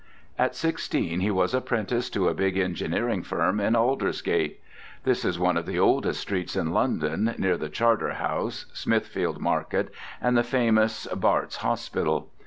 At sixteen he was apprenticed to a big engineering firm in Aldersgate. This is one of the oldest streets in London, near the Charterhouse, Smithfield Market, and the famous "Bart's" Hospital.